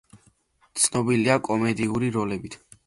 ცნობილია კომედიური როლებით.